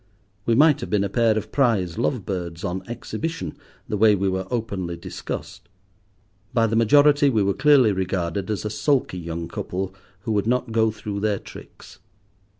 We might have been a pair of prize love birds on exhibition, the way we were openly discussed. By the majority we were clearly regarded as a sulky young couple who would not go through their tricks.